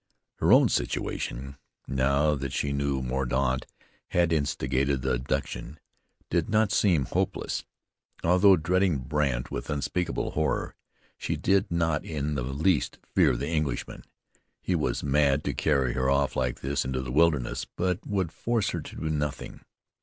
Her own situation, now that she knew Mordaunt had instigated the abduction, did not seem hopeless. Although dreading Brandt with unspeakable horror, she did not in the least fear the Englishman. He was mad to carry her off like this into the wilderness, but would force her to do nothing.